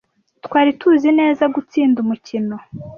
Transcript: Twari tuzi neza gutsinda umukino.